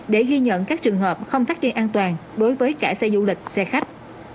để ghi nhận các trường hợp không thắt dây an toàn đối với cả xe du lịch xe khách